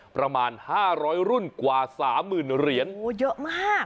ประมาณห้าร้อยรุ่นกว่าสามหมื่นเหรียญโอ้โหเยอะมาก